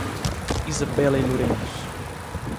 Isabella e Lorenzo